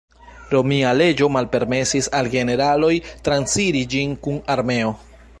Romia leĝo malpermesis al generaloj transiri ĝin kun armeo.